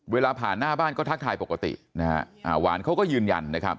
เวลาผ่านหน้าบ้านก็ทักทายปกตินะฮะหวานเขาก็ยืนยันนะครับ